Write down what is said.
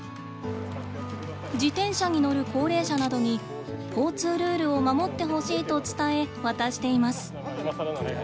自転車に乗る高齢者などに交通ルールを守ってほしいと伝え渡しています。